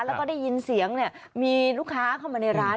แล้วก็ได้ยินเสียงเนี่ยมีลูกค้าเข้ามาในร้าน